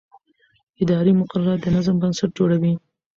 اداري مقررات د نظم بنسټ جوړوي.